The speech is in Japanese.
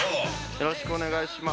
よろしくお願いします。